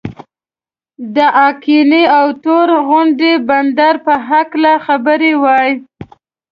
د آقینې او تور غونډۍ بندر په هکله خبرې وای.